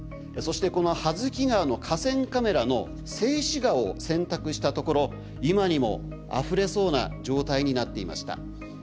そしてこの羽月川の河川カメラの静止画を選択したところ今にもあふれそうな状態になっていました。